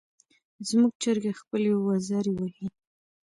زموږ چرګه خپلې وزرې وهي.